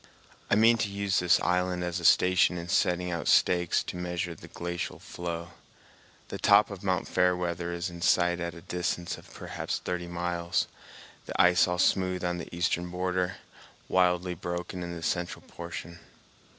I mean to use this island as a station in setting out stakes to measure the glacial flow. The top of Mt. Fairweather is in sight at a distance of perhaps thirty miles, the ice all smooth on the eastern border, wildly broken in the central portion.